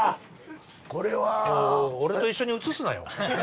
もう俺と一緒に映すなよ。